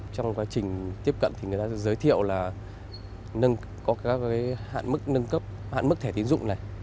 trong quá trình tiếp cận thì người ta giới thiệu là có các hạn mức thẻ tiến dụng này